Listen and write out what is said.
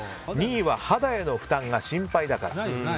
２位は、肌への負担が心配だから。